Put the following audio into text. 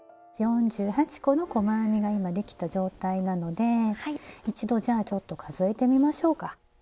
４８個の細編みが今できた状態なので一度じゃあちょっと数えてみましょうか。